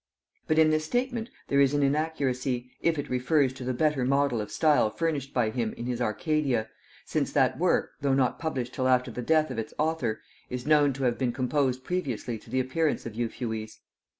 But in this statement there is an inaccuracy, if it refers to the better model of style furnished by him in his Arcadia, since that work, though not published till after the death of its author, is known to have been composed previously to the appearance of Euphues.